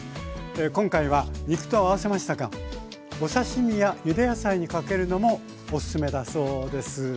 今回は肉と合わせましたがお刺身やゆで野菜にかけるのもおすすめだそうです。